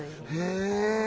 へえ。